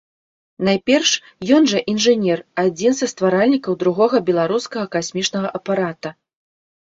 Найперш, ён жа інжынер, адзін са стваральнікаў другога беларускага касмічнага апарата.